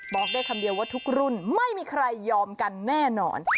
บอกได้คำเดียวว่าทุกรุ่นไม่มีใครยอมกันแน่นอน